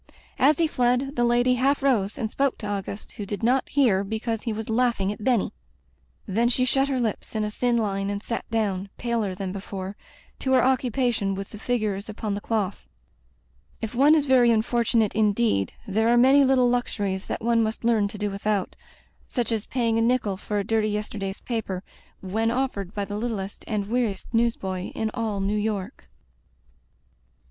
As he fled, the lady half rose and spoke to Auguste, who did not hear because he was laughing at Benny. Then she shut her lips in a thin line and sat down, paler than before, to her occupation with the figures upon the cloth. If one is very unfortunate indeed, there are many little luxuries that one must learn to do widiout — such as paying a nickel for a dirty yesterday's paper, when offered by the littlest and weariest newsboy in all New York.